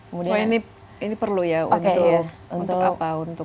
wah ini perlu ya untuk apa